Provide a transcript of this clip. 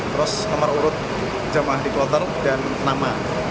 terus nomor urut jamaah di kloter dan nama